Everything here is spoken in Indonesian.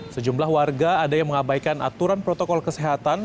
sejumlah warga ada yang mengabaikan aturan protokol kesehatan